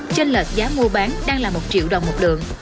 trên lệch giá mua bán đang là một triệu đồng một lượng